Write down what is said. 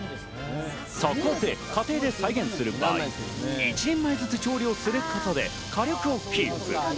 そこで家庭で再現するために１人前ずつ調理をすることで火力をキープ。